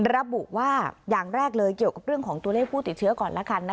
ระบุว่าอย่างแรกเลยเกี่ยวกับเรื่องของตัวเลขผู้ติดเชื้อก่อนละกัน